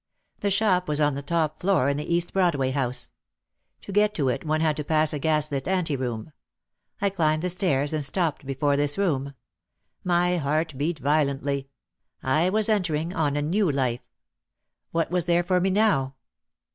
The shop was on the top floor in the East Broadway House. To get to it one had to pass a gas lit anteroom. I climbed the stairs and stopped before this room. My heart beat violently. I was entering on a new life. What was there for me now?